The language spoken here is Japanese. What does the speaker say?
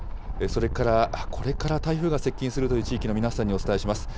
それから、これから台風が接近するという地域の皆さんにお伝えします。